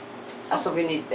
遊びに行って。